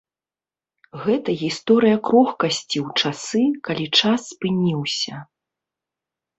Гэта гісторыя крохкасці ў часы, калі час спыніўся.